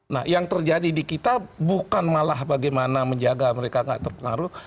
nah yang terjadi di kita bukan malah bagaimana menjaga mereka nggak terpengaruh